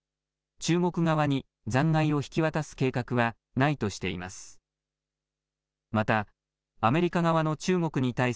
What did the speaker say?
中国側に残骸を引き渡す計画はないとしています。